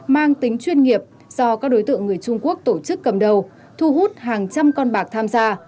mang tính chuyên nghiệp do các đối tượng người trung quốc tổ chức cầm đầu thu hút hàng trăm con bạc tham gia